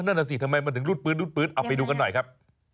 นั่นน่ะสิทำไมมันถึงรูดปืนรูดปืนเอาไปดูกันหน่อยครับ